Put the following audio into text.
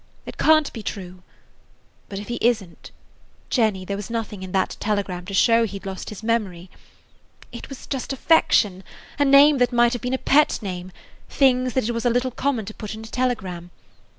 It can't be true. But if he is n't–Jenny, there was nothing in that telegram to show he 'd lost his memory. It was just affection–a name that might have been a pet name, things that it was a little common to put in a telegram.